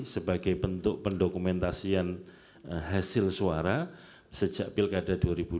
sebagai bentuk pendokumentasian hasil suara sejak pilkada dua ribu dua puluh